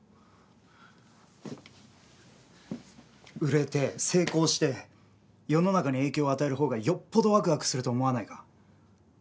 売れて成功して世の中に影響を与えるほうがよっぽどワクワクすると思わないか？